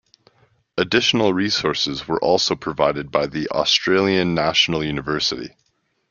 Additional resources were also provided by The Australian National University.